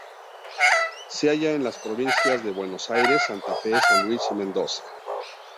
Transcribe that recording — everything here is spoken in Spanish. Se halla en las provincias de Buenos Aires, Santa Fe, San Luis y Mendoza.